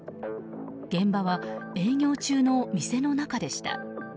現場は営業中の店の中でした。